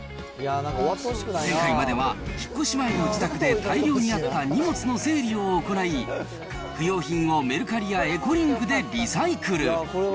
前回までは、引っ越し前の自宅で大量にあった荷物の整理を行い、不用品をメルカリやエコリングでリサイクル。